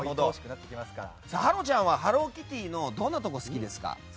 芭路ちゃんはハローキティのどこが好きですか？